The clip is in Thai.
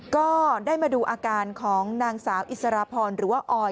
ก็ได้มาดูอาการของนางสาวอิสรพรหรือว่าออย